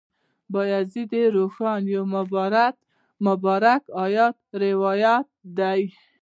بایزید روښان یو مبارک آیت راوړی دی.